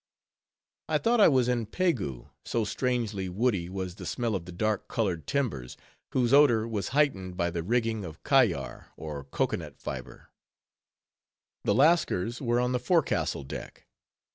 I thought I was in Pegu, so strangely woody was the smell of the dark colored timbers, whose odor was heightened by the rigging of kayar, or cocoa nut fiber. The Lascars were on the forecastle deck.